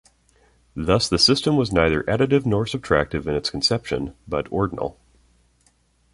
Thus the system was neither additive nor subtractive in its conception, but "ordinal".